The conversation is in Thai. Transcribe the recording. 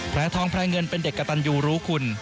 แพลทองแพลเงินเป็นเด็กกระตัญญูรุคุณ